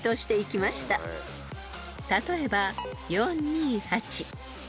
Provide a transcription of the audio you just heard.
［例えば］